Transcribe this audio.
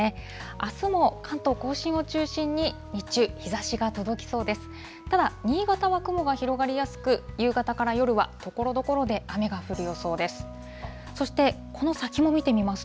あすも関東甲信を中心に、日中、日ざしが届きそうです。